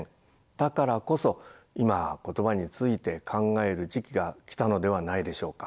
だからこそ今言葉について考える時期が来たのではないでしょうか。